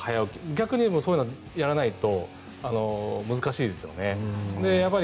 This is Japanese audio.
逆にそういうのをやらないと難しいですよね。